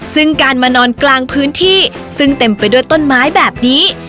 ซึ่งการมานอนกลางพื้นที่ซึ่งเต็มไปด้วยต้นไม้แบบนี้